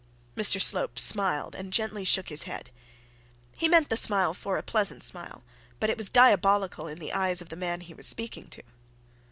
Mr Slope smiled, and gently shook his head. He meant that smile for a pleasant smile, but it was diabolical in the eyes of the man he was speaking to.